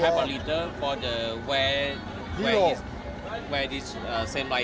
yang terbaik untuk perempuan seperti ini